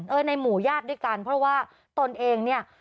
ในหมู่ญาติด้วยกันเพราะว่าตนเองเนี่ย